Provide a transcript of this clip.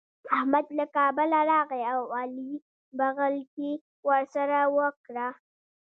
احمد له کابله راغی او علي بغل کښي ورسره وکړه.